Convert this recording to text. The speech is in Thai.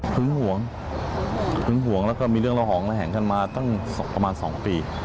หึงห่วงหึงห่วงแล้วก็มีเรื่องละหองแห่งขึ้นมาตั้งประมาณ๒ปี